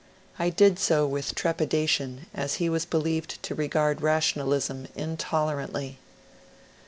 I did so with trepida tion, as he was believed to regard rationalism intolerantly.